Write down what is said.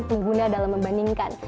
pengguna dalam membandingkan